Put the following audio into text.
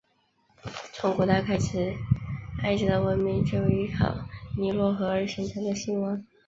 从古代开始埃及的文明就依靠尼罗河而形成和兴旺。